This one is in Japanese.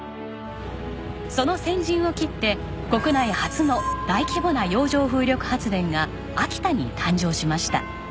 その先陣を切って国内初の大規模な洋上風力発電が秋田に誕生しました。